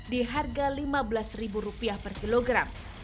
di harga lima belas rupiah per kilogram